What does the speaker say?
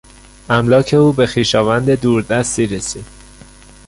املاک او به خویشاوند دور دستی رسید.